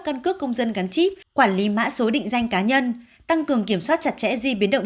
căn cước công dân gắn chip quản lý mã số định danh cá nhân tăng cường kiểm soát chặt chẽ di biến động